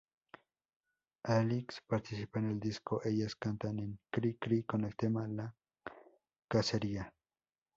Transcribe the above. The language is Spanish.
Alix participa en el disco "Ellas cantan a Cri-Cri" con el tema "La Cacería".